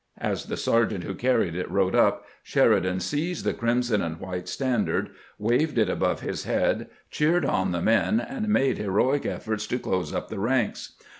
" As the sergeant who carried it rode up, Sheridan seized the erimson and white standard, waved it above his head, cheered on the men, and made heroic efforts to close up the ranks.